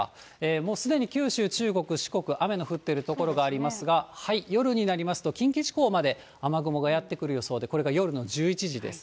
もうすでに九州、中国、四国、雨の降っている所がありますが、夜になりますと、近畿地方まで雨雲がやって来る予想で、これが夜の１１時です。